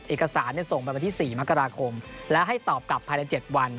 เอกสารส่งไปวันที่๔มกราคมและให้ตอบกลับภายใน๗วัน